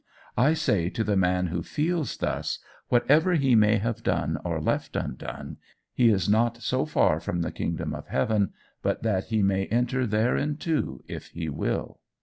I say to the man who feels thus, whatever he may have done or left undone, he is not so far from the kingdom of heaven but that he may enter thereinto if he will.